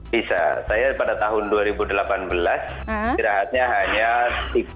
bisa saya pada tahun dua ribu delapan belas istirahatnya hanya tiga puluh